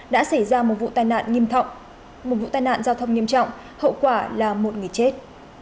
đã xảy ra một vụ tai nạn giao thông nghiêm trọng hậu quả là một người chết